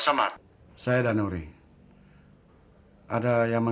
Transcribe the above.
barang asli pa har vulga makin yuk